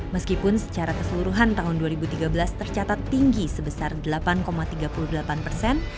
meskipun secara keseluruhan tahun dua ribu tiga belas tercatat tinggi sebesar delapan tiga puluh delapan persen